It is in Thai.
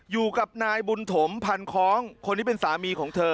อยู่กับนายบุญถมพันคล้องคนที่เป็นสามีของเธอ